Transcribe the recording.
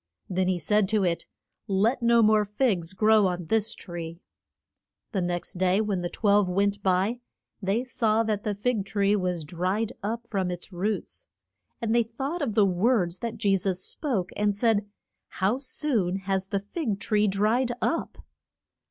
Then he said to it, Let no more figs grow on this tree. The next day when the twelve went by they saw that the fig tree was dried up from its roots. And they thought of the words that Je sus spoke, and said, How soon has the fig tree dried up!